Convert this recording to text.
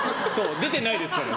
出てないですからね。